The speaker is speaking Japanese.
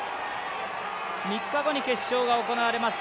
３日後に決勝が行われます。